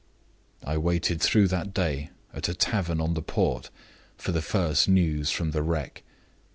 "I waited through that day at a tavern on the port for the first news from the wreck.